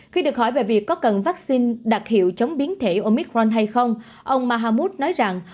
khi được hỏi về việc có cần vaccine đặc hiệu chống biến thể omicron hay không ông mahamud nói rằng